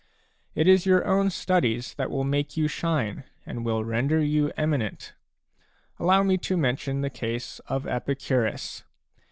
It is your own studies that will make you shine and will render you eminent. Allow me to mention the case of Epicurus.